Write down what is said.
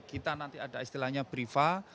kita nanti ada istilahnya briva